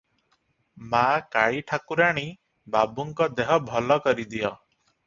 ମା’ କାଳୀ ଠାକୁରାଣୀ! ବାବୁଙ୍କ ଦେହ ଭଲ କରିଦିଅ ।